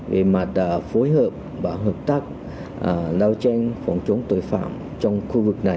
về mặt phối hợp và hợp tác giao tranh phòng chống tội phạm trong khu vực này